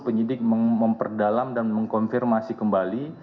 penyidik memperdalam dan mengkonfirmasi kembali